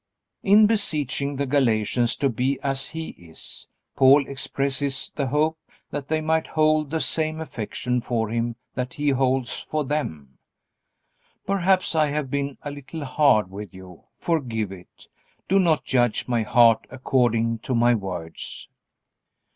In beseeching the Galatians to be as he is, Paul expresses the hope that they might hold the same affection for him that he holds for them. "Perhaps I have been a little hard with you. Forgive it. Do not judge my heart according to my words."